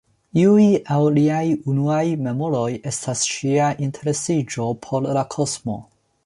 Iuj el liaj unuaj memoroj estas ŝia interesiĝo por la kosmo.